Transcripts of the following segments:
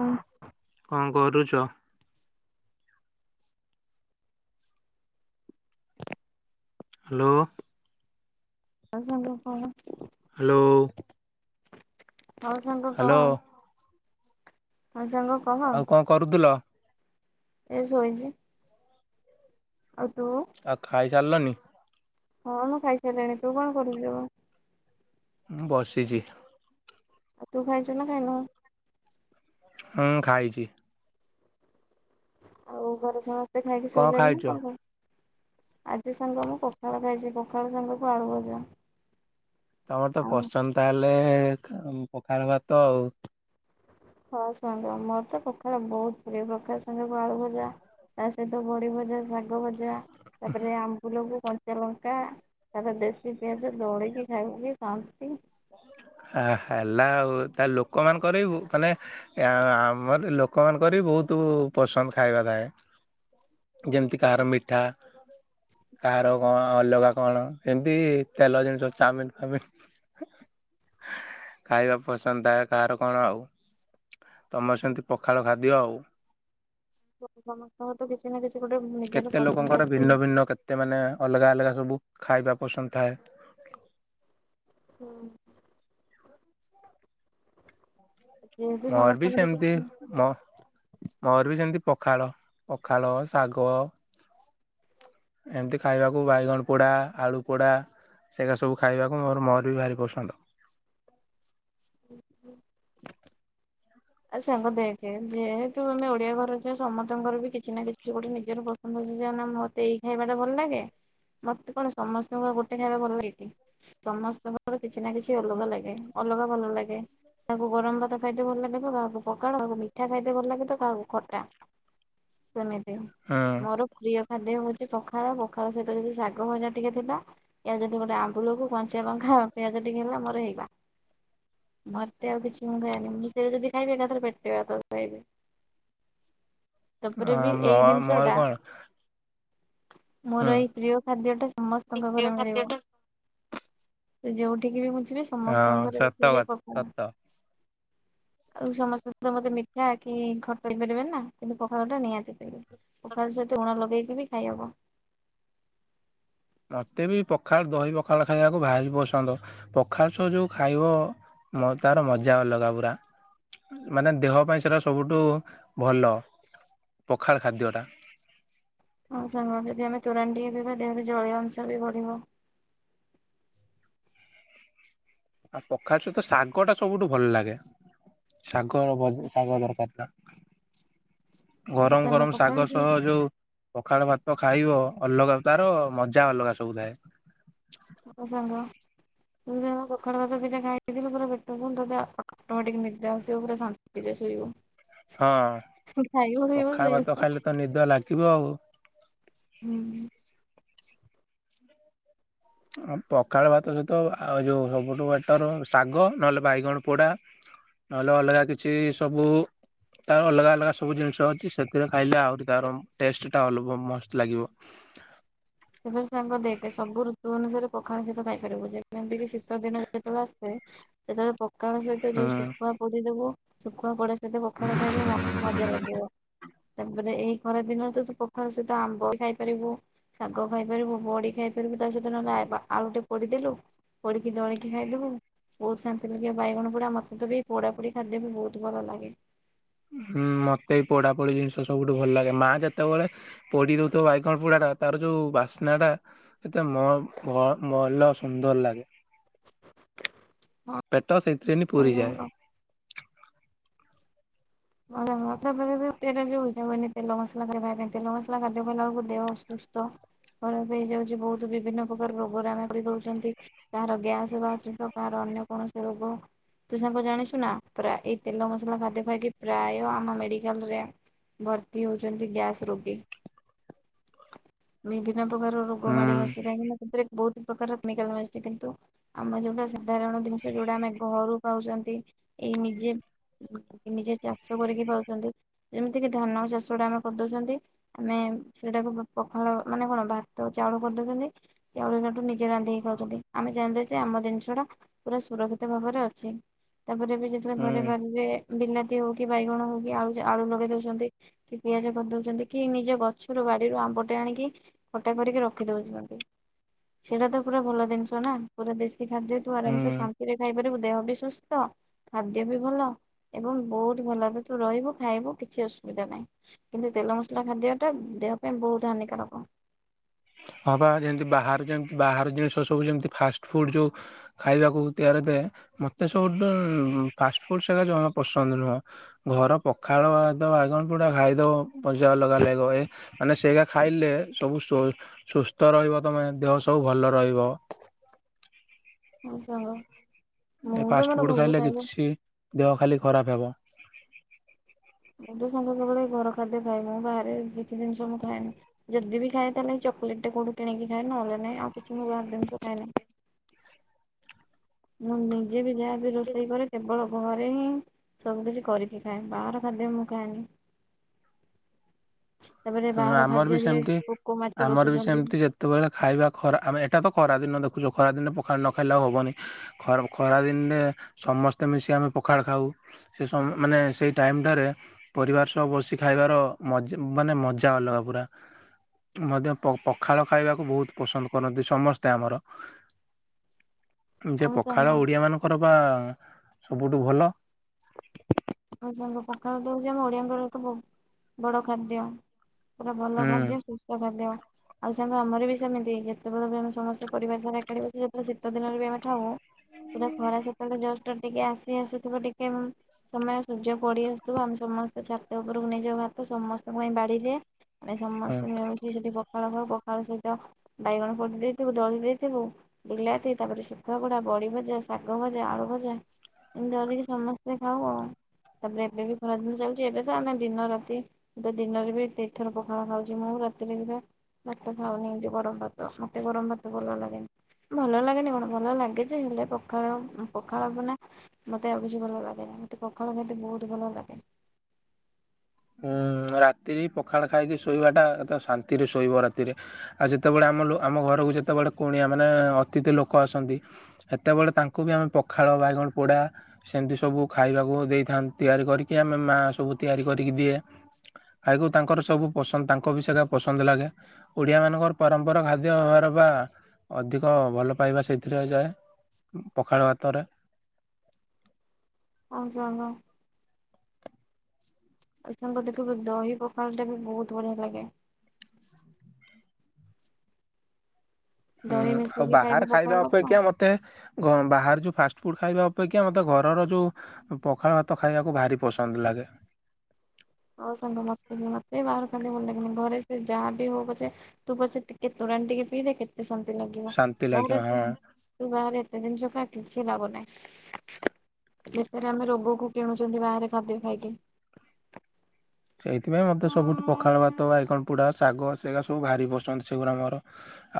ହଁ। କଣ କରୁଛ? ହ୍ୟାଲୋ। ଆ ସାଙ୍ଗ କହ। ହ୍ୟାଲୋ। ହଁ ସାଙ୍ଗ କହ। ହ୍ୟାଲୋ ହଁ ସାଙ୍ଗ କହ ଆଉ କଣ କରୁଥିଲ। ଏ ଶୋଇଚି। ଆ ତୁ। ଆ ଖାଇସାରିଲନି। ହଁ ମୁଁ ଖାଇସାରିଲିଣି ତୁ କଣ କରୁଚୁ। ମୁଁ ବସିଛି। ଆ ତୁ ଖାଇଚୁ ନା କାଇ ନୁ। ହଁ ଖାଇଚି। ଆଉ ଘରେ ସମସ୍ତେ ଖାଇକି କଣ ଶୋଇଲେଣି ନା ଖାଇଛ? କଣ କହ। ଆଜି ସାଙ୍ଗ ମୁଁ ପଖାଳ ଖାଇଛି ପଖାଳ ସାଙ୍ଗ କୁ ଆଳୁ ଭଜା। ତମର ତ ଆଉ ପସନ୍ଦ ତାହେଲେ ପଖାଳ ଭାତ ଆଉ। ହଁ ସାଙ୍ଗ ମୋର ତ ପଖାଳ ବହୁତ୍ ପ୍ରିୟ ପଖାଳ ସାଙ୍ଗକୁ ଆଳୁ ଭଜା। ତା ସହିତ ବଡି ଭଜା ଶାଗ ଭଜା ତାପରେ ଆମ୍ବୁଲ କୁ କ କଞ୍ଚାଲଙ୍କା ତାସ ଦେଶୀ ପିଆଜ ଦୋଳିକି ଖାଇବୁକି ସାନ୍ତି। ହା ହେଲା ଆଉ ତା ଲୋକମାନଙ୍କ କରେଇବୁ ମାନେ ଆମର ଲୋକମାନଙ୍କର ବହୁତ୍ ବହୁ ପସନ୍ଦ ଖାଇବା ଥାଏ। ଯେମିତି କାହାର ମିଠା। କାହାର କଣ ଅଲଗା କଣ ଏମିତି ତେଲ ଜିନିଷ ଚାମିିନ୍‌ ଫାମିିନ୍‌ ଖାଇବା ପସନ୍ଦ ଥାଏ କାହାର କଣ ଆଉ। ତମର ସେମିତି ପଖାଳ ଖାଦ୍ୟ ଆଉ। ସମସ୍ତଙ୍କ ତ କିଛି ନା କିଛି ଗୋଟେ ନିଜର ପସନ୍ଦ ଅଛି। ତେ ମାନେ ଅଲଗା ଅଲଗା ସବୁ ଖାଇବା ପସନ୍ଦ ଥାଏ। ହୁଁ। ଯେହେତୁ ମୋର ବି ସମସ୍ତଙ୍କର ସେମିତି କିଛି ମୋ ମୋର ବି ସେମିତି ପଖାଳ, ପଖାଳ, ଶାଗ ଏମିତି ଖାଇବାକୁ ବାଇଗଣ ପୋଡ଼ା, ଆଳୁ ପୋଡ଼ା ସେଇରା ସବୁ ଖାଇବାକୁ ମୋର ମୋର ବି ଭାରି ପସନ୍ଦ। ହୁଁ ହୁଁ। ଆଉ ସାଙ୍ଗ ଦେଖେ ଯେହେତୁ ଆମେ ଓଡିଆ ଘରର ଝିଅ ରହିଚନ୍ତି ସମସ୍ତଙ୍କର ବି କିଛି ନା କିଛି ଗୋଟେ ନିଜର ପ ବୁଝିଚନା ମତେ ଏଇ ଖାଇବା ଟା ଭଲ ଲାଗେ ମତେ କଣ ସମସ୍ତଙ୍କୁ ଗୋଟେ ଖାଇବା ଭଲ ଲାଗେକି। ସମସ୍ତଙ୍କର କିଛି ନା କିଛି ଅଲଗା ଲାଗେ ଅଲଗା ଭଲ ଲାଗେ। କାହାକୁ ଗରମ ଭାତ ଖାଇତେ ଭଲ ଲାଗେ ତ କାହାକୁ ପକାଳ କାହାକୁ ମିଠା ଖାଇତେ ଭଲ ଲାଗେ ତକାହାକୁ ଖଟା। ସେମିତି ହୁଁ ମୋର ପ୍ରିୟ ଖାଦ୍ୟ ହୋଉଚି ପଖାଳ ପଖାଳ ସହିତ ଯଦି ଶାଗ ଭଜା ଟିକେ ଥିଲା ଏ ଯଦି ଗୋଟେ ଆମ୍ବୁଲକୁ କଞ୍ଚା ଲଙ୍କା ପିଆଜ ଟିକେ ହେଲା ମୋର ହେଇଗଲା। ମତେ ଆଉ କିଛି ମୁଁ ଖାଏନି ମୁଁ ସେ ଯଦି ଖାଇବି ଏକାଥରେ ପେଟେ ଭାତ ଖାଇବି। ତାପରେ ବି ମୋ ଏଇ ଜିନିଷ ମୋର ଟା କଣ ହୁଁ ମୋର ଏଇ ପ୍ରିୟ ଖାଦ୍ୟଟା ସମସ୍ତଙ୍କ ଘରେ ମିଳିବ। ସେ ଯୋଉଠିକି ବି ମୁଁ ଯିବି ହଁ ସମସ୍ତଙ୍କର ଘରେ ସତ ଅଛି ସେଇ କଥା ପଖାଳ ଭାତ। ସତ ଆଉ ସମସ୍ତେ ତ ମତେ ମିଠା କି ଖଟା ଦେଇପାରିବେନି ନା କିନ୍ତୁ ପଖାଳ ଟା ନିହାତି ଦେବେ। ପଖାଳ ସହିତ ଲୁଣ ଲଗେଇକି ବି ଖାଇହବ। ମୋତେ ବି ପଖାଳ ଦହି ପଖାଳ ଖାଇବାକୁ ଭାରି ପସନ୍ଦ ପଖାଳ ସହ ଯୋଉ ଖାଇବ ମ ତାର ମଜା ଅଲଗା ପୁରା। ମାନେ ଦେହ ପାଇଁ ସେଇଟା ସବୁଠୁ ଭଲ ପଖାଳ ଖାଦ୍ୟଟା। ହଁ ସାଙ୍ଗ ଯଦି ଆମେ ତୁରାଣି ଟିକେ ପିଇବା ଦେହରେ ଜଳୀୟ ଅଂଶ ବି ବଢିବ। ଆଉ ପଖାଳ ସହିତ ଶାଗ ଟା ସବୁଠୁ ଭଲ ଲାଗେ। ଶାଗ ଭ ଶାଗ ଦରକାର୍ ନା? ଗରମ ସାଙ୍ଗ ଗରମ ପଖାଳ ଶାଗ ସହିତ ସହ ଯୋଉ ପଖାଳ ଭାତ ଖାଇବ ଅଲଗା ତାର ମଜା ଅଲଗା ସବୁଥାଏ। ହଁ ସାଙ୍ଗ ମୁଁ ଯୋଉ ପଖାଳ ଭାତ ଦିଟା ଖାଇଦେଇଥିଲି ପୁରା ପେଟ। [unintelligible] ଅଟୋ ମେଟିକ୍ ନିଦ ଆସିବ ପୁରା ଶାନ୍ତିରେ ଶୋଇବୁ ହଁ ଖାଇବୁ ପିଇବୁ ପଖାଳ ଭାତ ଶୋଇବୁ। ଖାଇଲେ ତ ନିଦ ଲାଗିବ ଆଉ। ହୁଁ। ଆଉ ପଖାଳ ଭାତ ସହିତ ଆଉ ଯୋଉ ସବୁଠୁ ବେଟର ଶାଗ ନହେଲେ ବାଇଗଣ ପୋଡା ନହେଲେ ଅଲଗା କିଛି ସବୁ। ତାର ଅଲଗା ଅଲଗା ସବୁ ଜିନିଷ ଅଛି ସେଥିରେ ଖାଇଲେ ଆହୁରି ତାର ଟେଷ୍ଟଟା ଅନୁଭବ ମସ୍ତ ଲାଗିବ। ହ [unintelligible] ସେଥିରେ ସାଙ୍ଗ ଦେଖେ ସବୁ ଋତୁ ଅନୁସାରେ ପଖାଳ ସେତ ଖାଇ ପାରିବୁ ଯେମିତିକି ଶୀତ ଦିନ ଯେତେବେଳେ ଆସେ ସେତେବେଳେ ପକାଳ ସହିତ ଯୋଉ ହୁଁ। ଶୁଖୁଆ ପୋଡ଼ି ଦେବୁ ଶୁଖୁଆ ପୋଡା ସହିତ ପଖାଳ ଖାଇବୁ ମ ମଜା ଲାଗିବ। ତାପରେ ଏଇ ଖରାଦିନରେ ତୁ ତ ପଖାର ସହିତ ଆମ୍ବ ଖାଇପାରିବୁ। ଶାଗ ଖାଇପାରିବୁ, ବଡି ଖାଇପାରିବୁ, ତା ସହିତ ନହଲେ ଆ ଆ ଆଳୁ ଟେ ପୋଡ଼ିଦେଲୁ। ପୋଡ଼ିକି ଦଳିକି ଖାଇଦବୁ। ବହୁତ୍ ଶାନ୍ତି ଲାଗେ ବାଇଗଣ ପୋଡା ମତେ ତ ବି ପୋଡା ପୋଡି ଖାଦ୍ୟ ବି ବହୁତ୍ ଭଲ ଲାଗେ। ହୁଁ ମତେ ପୋଡା ପୋଡି ଜିନିଷ ସବୁଠୁ ଭଲ ଲାଗେ ମା ଯେତେବେଳେ ପୋଡ଼ି ଦଉଥିବ ବାଇଗଣ ପୋଡାଟା ତାର ଯୋଉ ବାସ୍ନାଟା ସେଟା ମ ମ ମନ ସୁନ୍ଦର ଲାଗେ। ପେଟ ସେଇଥିରେନି ହଁ। ପୁରିଯାଏ। [unintelligible] ତେଲ ଯୋଉଚି ମୁଁ କହିନି ତେଲ ମସଲା ଖାଇ ଖାଇବା ପାଇଁ [unintelligible] ତେଲ ମସଲା ଖାଦ୍ୟ ଖାଇଲା ବେଳୁକୁ ଦେହ ଅସୁସ୍ଥ ଖରାପ ହେଇଯାଉଚି ବୋହୁତ ବିଭିନ୍ନ ପ୍ରକାର ରୋଗରେ ଆମେ ପିଡିତ ହୋଉଚନ୍ତି। କାହାର ଗ୍ୟାସ୍ ବାହାରୁଚିତ କାହାର ଅନ୍ୟ କୌଣସି ରୋଗ। ତୁ ସାଙ୍ଗ ଜାଣିଚୁ ନା ପ୍ରାୟ ଏଇ ତେଲ ମସଲା ଖାଦ୍ୟ ଖାଇକି ପ୍ରାୟ ଆମ ମେଡିକାଲରେ ଭର୍ତ୍ତି ହଉଚନ୍ତି ଗ୍ୟାସ୍ ରୋଗୀ। ବିଭିନ୍ନ ପ୍ରକାର ରୋଗ ହୁଁ ମାଡି ବସିଲାଣି ନା ସେଥିରେ ବୋହୁତ ପ୍ରକାରାର କେମିକାଲ୍ ମିଶୁଚି କିନ୍ତୁ ଆମେ ଯୋଉଟା ସାଧାରଣ ଜିନିଷ ଯୋଉଟା ଆମେ ଘରୁ ପାଉଚନ୍ତି ଏଇ ନିଜେ [inaudible] ନିଜେ ଚାଷ କରିକି ପାଉଚନ୍ତି। ଯେମିତିକ ଧାନ ଚାଷଟା ଆମେ କରିଦଉଚନ୍ତି। ଆମେ ସେଟାକୁ ପ-ପଖାଳ ମାନେ କଣ ଭାତ ଚାଉଳ କରିଦଉଚନ୍ତି ଚାଉଳ ହେଲାଠୁ ନି ନିଜେ ରାନ୍ଧକି ଖାଉଚନ୍ତି। ଆମେ ଜାଣିଲେ ଯେ ଆମ ଜିନିଷଟା ପୁରା ସୁରକ୍ଷିତ ଭାବରେ ଅଛି, ତାପରେ ବି ଯେତେବେଳେ ଘରେ ହୁଁ ବାଡିରେ ବିଲା ତି ହୋଉ କି ବାଇଗଣ ହୋଉ କି ଆଳୁ ଯା ଆଳୁ ଲଗେଇ ଦଉଚନ୍ତି। କି ପିଆଜ କରିଦଉଚନ୍ତି କି ନିଜ ଗଛରୁ ବାଡିରୁ ଆମ୍ବଟେ ଆଣିକି। ଖଟା କରିକି ରଖି ଦଉଚନ୍ତି। ସେଟା ତ ପୁରା ଭଲ ଜିନିଷ ନା। ପୁରା ଦେଶୀ ଖାଦ୍ୟ ତୁ ଆରାମସେ ହୁଁ ଶାନ୍ତିରେ ଖାଇପାରିବୁ ଦେହ ବି ସୁସ୍ଥ। ଖାଦ୍ୟ ବି ଭଲ ଏବଂ ବୋହୁତ ଭଲରେ ତୁ ରହିବୁ ଖାଇବୁ କିଛି ଅସୁବିଧା ନାହିଁ। କିନ୍ତୁ ତେଲ ମସଲା ଖାଦ୍ୟଟା ଦେହ ପାଇଁ ବୋହୁତ ହାନିକାରକ। ହଁ ପା ଯେମିତି ବାହାରେ ଯେମିତି ବାହାର ଜିନିଷ ସବୁ ଯେମିତି ଫାଷ୍ଟଫୁଡ ଯୋଉ ଖାଇବାକୁ ତିଆରି ହୋଇଥାଏ। ମତେ ସବୁଟୁ ଫାଷ୍ଟ ଫୁଡ ସେଗା ଜମା ପସନ୍ଦ ନୁହଁ। ଘର ପଖାଳ ଭାତ ବାଇଗଣ ପୋଡା ଖାଇଦବ ମଜା ଅଲାଗା ଲାଗିବ ଏ ମାନେ ସେଇଗା ଖାଇଲେ ସବୁ ସୁ-ସୁସ୍ଥ ରହିବ ତମେ ଦେହ ସବୁ ଭଲ ରହିବ। ଆଚ୍ଛା ହୋଉ। ଏଇ ଫାଷ୍ଟଫୁଡ୍ ଖାଇଲେ କିଛି ଦେହ ଖାଲି ଖରାପ ହବ। ମୁଁ ତ ସବୁବେଳେ ଏ ଘର ଖାଦ୍ୟ ଖାଏ। ମୁଁ ବାହାରେ କିଛି ଜିନିଷ ମୁଁ ଖାଏନି। ଯଦି ବି ଖାଏ ତାହେଲେ ଚକୋଲେଟ୍ ଟେ କୋଉଠୁ କିଣିକି ଖାଏ ନହେଲେ ନାଇଁ ଆଉ କିଛି ମୁଁ ବାହାର ଜିନିଷ ଖାଏ ନାହିଁ। ମୁଁ ନିଜେ ବି ଯାହାବି ରୋଷେଇ କରେ କେବଳ ଘରେ ହିଁ ସବୁକଛି କରିକି ଖାଏ ବାହାର ଖାଦ୍ୟ ମୁଁ ଖାଏନି। ତାପରେ ହଁ ବାହାର ଆମର ବି ଖାଦ୍ୟରେ ସେମିତି ପୋକ ମାଛି ଆମର ବି ବସୁଛନ୍ତି। ସେମତି ଯେତେବେଳେ ଖାଇବା ଖରା ଆମେ ଏଇଟା ତ ଖରା ଦିନ ଦେଖୁଚ ଖରା ଦିନେ ପଖା ନଖାଇଲେ ଆଉ ହବନି। ଖରା ଖରା ଦିନେ ସମସ୍ତେ ମିଶି ଆମେ ପଖାଳ ଖାଉ। ସେ ସମ ମାନେ ସେଇ ଟାଇମଟାରେ ପରିବାର ସବୁ ବସି ଖାଇବାର ମଜା ମାନେ ମଜା ସେଟା ଅଲଗା ପୁରା। ମଧ୍ୟ ପ-ପଖାଳ ଖାଇବାକୁ ବୋହୁତ ପସନ୍ଦ କରନ୍ତି ସମସ୍ତେ ଆମର। ଯେ ଆମ ସାଙ୍ଗ ପଖାଳ ଓଡିଆ ମାନଙ୍କର ପା ସବୁଠୁ ଭଲ। ଆଉ ତାଙ୍କ ପଖାଳ ତ ହୋଉଚି ଆମ ଓଡିଆଙ୍କର ତ ବୋହୁ ବଡ ଖାଦ୍ୟ। ପୁରା ଭଲ ହୁଁ ଖାଦ୍ୟ ସୁସ୍ଥ ଖାଦ୍ୟ। ଆଉ ସାଙ୍ଗ ଆମର ବି ସେମିତି ଯେତେବେଳେ ବି ଆମେ ସମସ୍ତେ ପରିବାରସାରା ଏକାଠି ବସି ଯାଉ ପୁରା ଶୀତ ଦିନରେ ବି ଆମେ ଖାଉ। ପୁରା ଖରା ସେତେବେଳେ ଜଷ୍ଟ ଟିକେ ଆସି ଆସୁଥିବ ଟିକେ ସମୟ ସୂର୍ଯ୍ୟ ପଡି ଆସୁଥିବ। ଆମେ ସମସ୍ତେ ଛାତ ଉପରକୁ ନେଇଯାଉ ଭାତ ସମ ତାଙ୍କ ପାଇଁ ବାଢି ଦିଏ ପ୍ରାଏ ହୁଁ। ସମସ୍ତେ ମିଳି ମିଶିକି ସେଠି ପଖାଳ ଖାଉ ପଖାଳ ସହିତ ବାଇଗଣ ପୋଡି ଦେଇଥିବୁ ଦଳି ଦେଇଥିବୁ। ବିଲାତି ତାପରେ ଶୁଖୁଆ ପୋଡା ବଡି ଭଜା ଶାଗ ଭଜା ଆଳୁ ଭଜା ଏମିତି ଅଧିକି ସମସ୍ତେ ଖାଉ ଆଉ। [inaudible] ତାପରେ ଏବେ ବି ଖରା ଦିନ ଚାଲିଚି ଏବେ ତ ଆମେ ଦିନ ରାତି ଏବେ ଦିନରେ ବି ତିନି ଥର ପଖାଳ ଖାଉଛି ମୁଁ ରାତିରେ ଖାଏ। ଭାତ ଖାଉନି ଯୋ ଗରମ ଭାତ ମତେ ଗରମ ଭାତ ଭଲ ଲାଗେନି। ଭଲ ଲାଗେନି କଣ ଭଲ ଲାଗେ ଯେ ହେଲେ ପଖାଳ ପଖାଳ ବିନା ମତେ ଆଉ କିଛି ଭଲ ଲାଗେ ମୋତେ ପଖାଳ ଖାଇତେ ବହୁତ ଭଲ ଲାଗେ। ଉଁ ରାତିରେ ପଖାଳ ଖାଇକି ଶୋଇବା ଟା ଶାନ୍ତିରେ ଶୋଇବ ରାତିରେ। ଆ ଯେତେବେଳେ ଆମ ଲୋ ଆମ ଘରକୁ ଯେତେବେଳେ କୁଣିଆ ମାନେ ଅତିଥି ଲୋକ ଆସନ୍ତି। ସେତେବେଳେ ତାଙ୍କୁ ବି ଆମେ ପଖାଳ, ବାଇଗଣ ପୋଡ଼ା ସେମିତି ସବୁ ଖାଇବାକୁ ଦେଇଥାନ୍ତି ତିଆରି କରିକି ଆମେ ମାଁ ସବୁ ତିଆରି କରିକି ଦିଏ। ଖାଇକୁ ତାଙ୍କର ସବୁ ପସନ୍ଦ ତାଙ୍କ ସେରା ପସନ୍ଦ ଲାଗେ। ଓଡ଼ିଆ ମାନଙ୍କର ପରମ୍ପରା ଭାବ୍ୟ ହେରା ବା ଅଧିକ ଭଲ ପାଇବା ସେଥିରେ ଯାଏ। ପଖାଳ ହାତରେ। [unintelligible] ଆଉ ସାଙ୍ଗ ଦେଖିବୁ ଦହି ପଖାଟା ବି ବହୁତ ବଢିଆ ଲାଗେ। ହୁଁ ଦହି ଆଉ ମିଶେଇକି ଖାଇବୁ ବାହାରେ ପଖାଳ ଖାଇବା ଭାତ ଅପେକ୍ଷା ମ ତେ ଘ ବାହାରେ ଯୋଉ ଫାଷ୍ଟ ଫୁଡ ଖାଇବା ଅପେକ୍ଷା ମତେ ଘରର ଯୋଉ ପଖାଳ ଭାତ ଖାଇବାକୁ ଭାରି ପସନ୍ଦ ଲାଗେ। ହଉ ସାଙ୍ଗ ମତେ ବି ମତେ ବି ବାହାର ଖାଇଲେ ଭଲ ଲାଗେନି। ଘରେ ସେ ଯାହା ବିି ହଉ ପଛେ ତୁ ପଛେ ଟିକେ ତୋରାଣି ଟିକେ ପିଇଦେ କେତେ ଶାନ୍ତି ଲାଗିବ ଶାନ୍ତି ଲାଗିବ ବାହାରେ ହଁ। ତୁ ବାହାରେ ଏତେ ଜିନିଷ ଖାଁ କିଛି ଲାଭ ନାହିଁ। ବେକାର ଆମେ ରୋଗକୁ କିନୁଛୁନ୍ତି ବାହାରେ ଖାଦ୍ୟ ଖାଇକି। ସେଇଥିପାଇଁ ମତେ ସବୁଠୁ ପଖାଳ ଭାତ, ବାଇଗଣ ପୁଡା, ଶାଗ ସେଇଅକ ସବୁ ଭାରି ବସନ୍ଦ ସେଗୁରା ମୋର।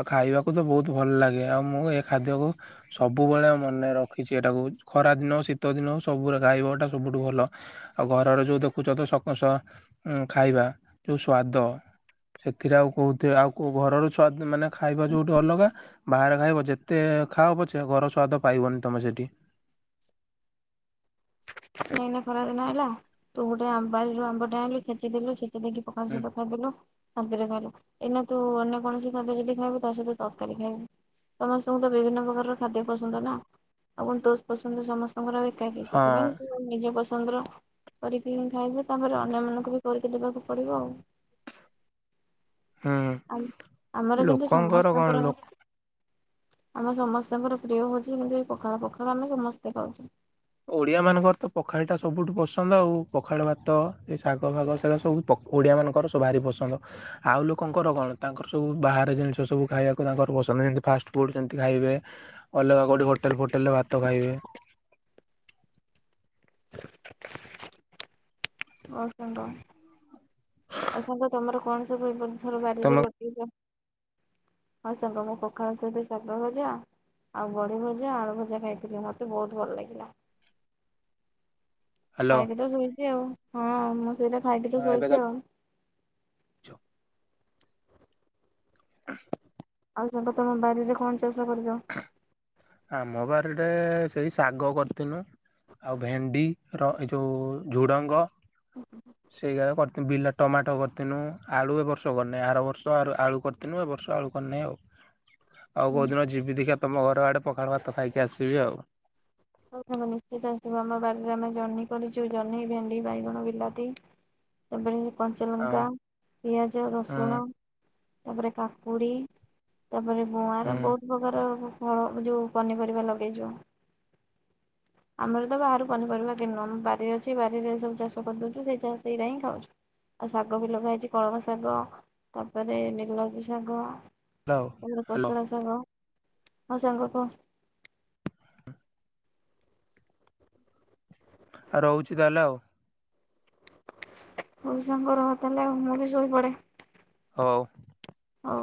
ଆଉ ଖାଇବାକୁ ତ ବହୁତ ଭଲ ଲାଗେ ଆଉ ମୁଁ ଏ ଖାଦ୍ୟକୁ ସବୁବେଳେ ମନେ ରଖିଛି ଏଟାକୁ। ଖରା ଦିନ, ଶୀତ ଦିନ ହଉ ସବୁରେ ଗାଇବ ଏଟା ସବୁଠୁ ଭଲ। [unintelligible] ସେଥିରେ ଆଉ କହୁଥିରେ ଆଉ କେଉଁ ଘର ସ୍ୱାଦ ମାନେ ଖାଇବା ଯେଉଁଠି ଅଲଗା। ବାହାରେ ଖାଇବ ଯେତେ ଖାଅ ପଛେ ଘର ସ୍ୱାଦ ପାଇବନି ତମେ ସେଠି। ଏଇନା ଖରା ଦିନ ଆଇଲା ତୁ ଗୋଟେ ଆମ୍ୱ ଯୋ ଆମ୍ବଟେ ଆଣିଲି ଖେଚିଦେଲୁ ହୁଁ। [unintelligible] ଏଇନା ତୁ ଅନ୍ୟ କୌଣସି ଖାଦ୍ୟ ଯଦି ଖାଇବୁ ତା ସହିତ ତରକାରୀ ଖାଇବୁ। ସମସ୍ତଙ୍କୁ ତ ବିଭିନ୍ନ ପ୍ରକାରର ଖାଦ୍ୟ ପସନ୍ଦ ନା ଆଉ କଣ ତୋ ପସନ୍ଦ ସମ [unintelligible] ଏକାକି ହଁ ସେଥିପାଇଁ ନିଜ ପସନ୍ଦର କରିକି ଖାଇବୁ। ତାପରେ ଅନ୍ୟ ମାନଙ୍କୁ ବି କରିକି ଦେବାକୁ ପଡିବ ଆଉ। [unintelligible] ଆ ଆମର କିନ୍ତୁ ଲୋକଙ୍କର କଣ ସମସ୍ତଙ୍କର ଲୋ ଆମେ ସମସ୍ତଙ୍କର ପ୍ରିୟ ହଉଚି କିମିତି ଏ ପଖାଳ ପଖାଳ ଆମେ ସମସ୍ତେ ଖାଉ। ଓଡିଆ ମାନଙ୍କର ତ ପଖାଳ ଟା ସବୁଠୁ ପସନ୍ଦ ଆଉ। ପଖାଳ ଭାତ, ଶାଗ ଫାଗ ସେରି ସବୁ ତ ଓଡ଼ିଆ ମାନଙ୍କର ସବୁ ଭାରି ପସନ୍ଦ। ଆଉ ଲୋକଙ୍କର କଣ ତାଙ୍କର ସବୁ ବାହାରେ ଜିନିଷ ସବୁ ଖାଇବାକୁ ତାଙ୍କର ପସନ୍ଦ, ଯେମିତି ଫାଷ୍ଟଫୁଡ ଯେମିତି ଖାଇବେ। ଅଲଗା କୋଉଠି ହୋଟେଲ ହୋଟେଲ ରେ ଭାତ ଫାତ ଖାଇବେ। ଅ ସାଙ୍ଗ ଆଉ ସାଙ୍ଗ ତମର କଣ ସବୁ ତମ [unintelligible] ଆଉ ବଡି ଭଜା, ଆଳୁ ଭଜା ଖାଇଥିଲି ମତେ ବହୁତ ଭଲ ଲାଗିଲା। ହ୍ୟାଲୋ। ଖାଇକି ତ ଶୋଇଚି ଆଉ ହଁ ମୁଁ ସେଇଟା ଖାଇଲି ତ ହଁ ଏବେ ଶୋଇଛି ଆଉ। [unintelligible] ଆଉ ସାଙ୍ଗ ତମ ବାରିରେ କଣ ଚାଷ କରିଚ? ଆମ ବାରିରେ ସେଇ ଶାଗ କରଥିନୁ। ଆଉ ଭେଣ୍ଡି ର ଏ ଯୋଉ ଝୁଡ଼ଙ୍ଗ। ଉଁ ହୁଁ ହୁଁ। ସେଇଗା କରିିଥି ବିଲ ଟମାଟ କରିଥିନୁ ଆଳୁ ଏ ବର୍ଷ କରନେଇ ଆର ବର୍ଷ ଆରୁ ଆଳୁ କର ନୁ ଏ ବର୍ଷ ଆଳୁ କରିନେଇ ଆଉ। ଆଉ କୋଉ ଦିନ ଯିବି ଦେଖିଆ ତମ ଘର ଆଡ଼େ ପଖାଳ ଭାତ ଖାଇକି ଆସିବି ଆଉ। ହଉ ସାଙ୍ଗ ନିଶ୍ଚିତ ଆସିବ ଆମ ବାରିରେ ଆମେ ଜହ୍ନି କରିଚୁ ଜହ୍ନି ଭେଣ୍ଡି, ବାଇଗଣ, ବିଲାତି। କଦଳୀ, ହଁ କଞ୍ଚାଲଙ୍କା, ପିଆଜ, ରସୁଣ ହୁଁ ତାପରେ କାକୁଡ଼ି। ତାପରେ ହୁଁ ଗୁଆଁର ବୋହୁତ ପକାର ଫଳ ଯୋଉ ପନିପରିବା ଲଗେଇଚୁ। ଆମର ତ ବାହାରୁ ପନିପରିବା କିଣନୁ ଆମ ବାରି ଅଛି ବାରିରେ ସବୁ ଚାଷ କରିଦୋଉଚୁ ସେଇଥା ସେଇରା ହିଁ ଖାଉଚୁ। ଆଉ ଶାଗ ବି ଲଗା ହେଇଚି କଳମ ଶାଗ ତାପରେ ନିଲଜି ଶାଗ। ହ୍ୟାଲୋ ଉର ହ୍ୟାଲୋ କୋଶଳା ଶାଗ ହଉ ସାଙ୍ଗ କ। ହେସ୍ ଆଉ ରହୁଚି ତାହେଲେ ଆଉ। ହଉ ସାଙ୍ଗ ରହ ତାହାଲେ ଆଉ ମୁଁ ବି ଶୋଇପଡ଼େ। ହଉ। ଅ